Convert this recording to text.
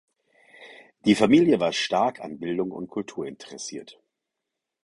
Die Familie war stark an Bildung und Kultur interessiert.